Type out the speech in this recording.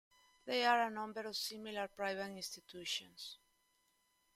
There are a number of similar private institutions.